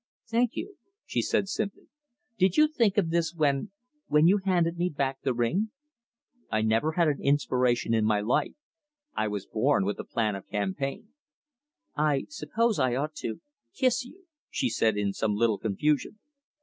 "Thank you," she said simply. "Did you think of this when when you handed me back the ring?" "I never had an inspiration in my life. I was born with a plan of campaign." "I suppose I ought to kiss you!" she said in some little confusion.